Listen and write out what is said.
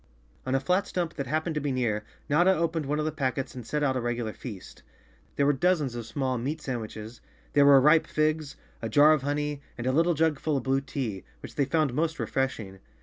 On a flat stump that happened to be near, Notta opened one of the packets and set out a regular feast. There were dozens of small meat sandwiches, there were ripe figs, a jar of honey, and a little jug full of blue tea, which they found most refreshing.